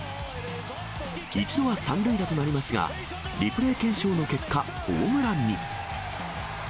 一度は３塁打となりますが、リプレイ検証の結果、ホームランに。